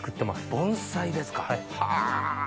盆栽ですかはぁ。